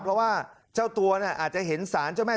เจ้าตัวอาจจะเห็นสารเจ้าแม่ตัวอาจจะเห็นสารเจ้าแม่ตัว